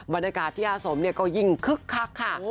บรรยากาศที่อาสมก็ยิ่งคึกคักค่ะ